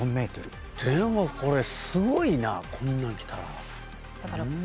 でもこれすごいなこんなん来たら。